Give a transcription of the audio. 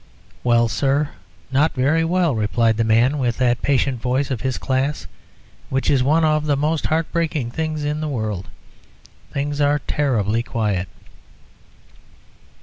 "Well, sir, not very well," replied the man, with that patient voice of his class which is one of the most heart breaking things in the world. "Things are terribly quiet."